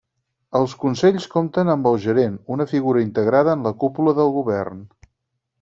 Els consells compten amb el gerent, una figura integrada en la cúpula del govern.